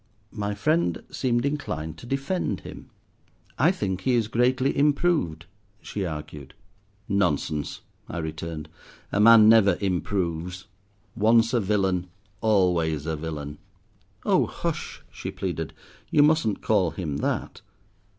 My friend seemed inclined to defend him. "I think he is greatly improved," she argued. "Nonsense!" I returned, "a man never improves. Once a villain, always a villain." "Oh, hush!" she pleaded, "you mustn't call him that."